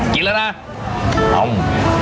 กินแล้วนะ